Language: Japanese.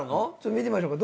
見てみましょうか。